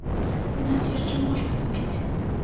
У нас яшчэ можна купіць.